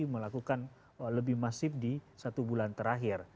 melakukan lebih masif di satu bulan terakhir